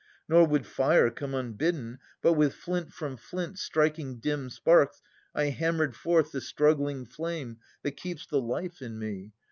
Nor would fire come unbidden, but with flint From flints striking dim sparks, I hammered forth The struggling flame that keeps the life in me.